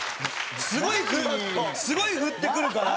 すごい振りすごい振ってくるから。